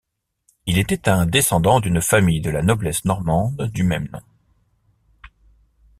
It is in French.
Il était un descendant d’une famille de la noblesse normande du même nom.